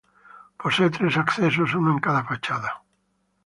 Posee tres accesos, uno en cada fachada.